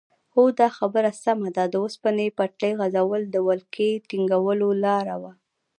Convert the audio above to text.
هو دا خبره سمه ده د اوسپنې پټلۍ غځول د ولکې ټینګولو لاره وه.